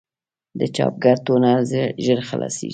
د چاپګر ټونر ژر خلاصېږي.